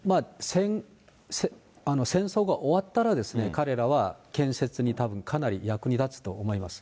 戦争が終わったら、彼らは建設にたぶんかなり役立つと思います。